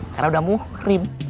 karena udah muhrim